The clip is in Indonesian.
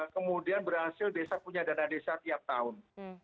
kemudian berhasil desa punya dana desa tiap tahun